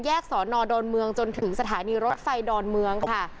สอนอดอนเมืองจนถึงสถานีรถไฟดอนเมืองค่ะ